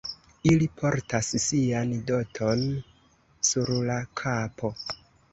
Ili portas sian doton sur la kapo.